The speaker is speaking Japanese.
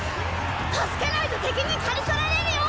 助けないと敵にかりとられるよ！